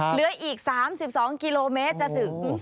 เหลืออีก๓๒กิโลเมตรจะถึง